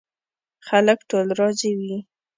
خلک ټول راضي وي.